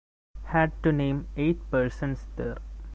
Had to name eight persons there.